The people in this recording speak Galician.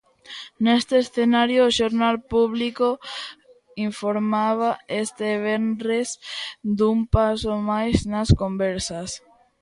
Neste escenario, o xornal Público informaba este venres dun paso máis nas conversas.